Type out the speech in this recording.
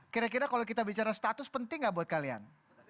kira kira kalau kita bicara status penting gak buat kalian